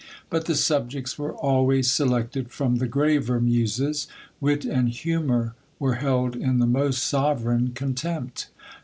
But the subjects were always selected from the graver muses ; wit and humour were held in the most sovereign contempt.